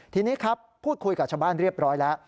ทีนี้ครับพูดคุยกับชาวบ้านเรียบร้อยแล้ว